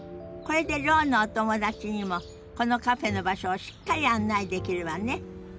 これでろうのお友達にもこのカフェの場所をしっかり案内できるわね。